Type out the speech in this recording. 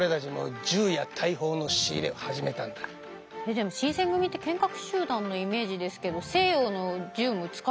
でも新選組って剣客集団のイメージですけど西洋の銃も使えるの？